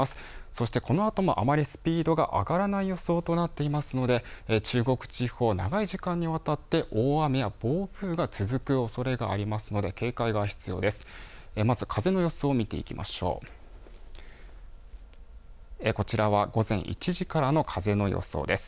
そして、このあともあまりスピードが上がらない予想となっていますので、中国地方、長い時間にわたって大雨や暴風が続くおそれがありますので、警戒が必要です。